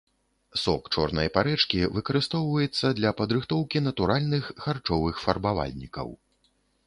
Сок чорнай парэчкі выкарыстоўваецца для падрыхтоўкі натуральных харчовых фарбавальнікаў.